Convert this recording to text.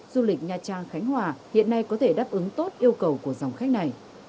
du lịch nha trang khánh hòa hiện nay có thể đáp ứng tốt yêu cầu của dòng khách này